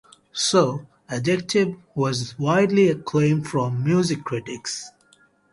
So Addictive was widely acclaimed from music critics.